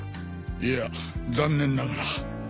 いや残念ながら。